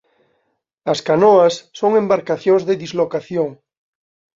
As canoas son embarcacións de dislocación.